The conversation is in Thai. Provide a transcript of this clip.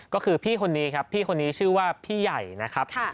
ก็คือพี่คนนี้ครับพี่คนนี้ชื่อว่าพี่ใหญ่นะครับ